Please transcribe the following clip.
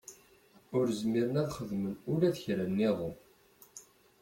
Ur zmiren ad xedmen ula d kra nniḍen.